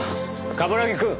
冠城くん！